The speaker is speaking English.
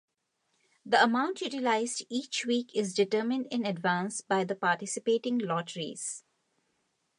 The amount utilized each week is determined in advance by the participating lotteries.